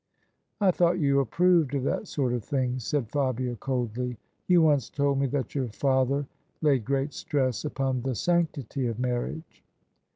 " I thought you approved of that sort of thing," said Fabia, coldly. "You once told me that your father laid great stress upon the sanctity of marriage."